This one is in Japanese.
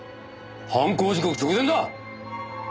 犯行時刻直前だ！